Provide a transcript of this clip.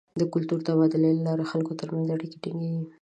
د کلتور د تبادلې له لارې د خلکو تر منځ اړیکې ټینګیږي.